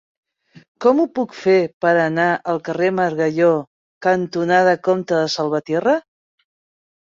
Com ho puc fer per anar al carrer Margalló cantonada Comte de Salvatierra?